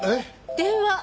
電話！